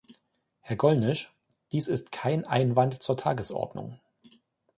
Herr Gollnisch, dies ist kein Einwand zur Tagesordnung.